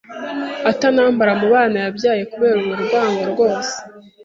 atanambara mu bana yabyaye kubera urwo rwango rwose